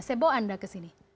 saya bawa anda ke sini